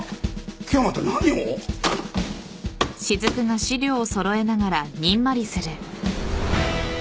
今日はまた何を？